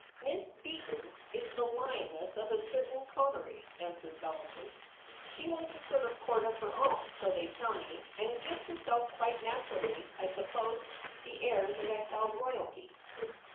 ' Miss Beaton is the lioness of a certain coterie,' answered Bellarmin. ' She holds a sort of court of her own, so they tell me, and gives herself, quite naturally, I suppose, the airs of exiled royalty.'